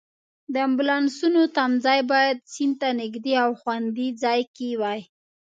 د امبولانسونو تمځای باید سیند ته نږدې او خوندي ځای کې وای.